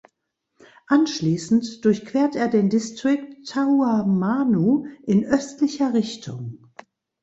Anschließend durchquert er den Distrikt Tahuamanu in östlicher Richtung.